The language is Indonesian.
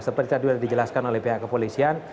seperti tadi sudah dijelaskan oleh pihak kepolisian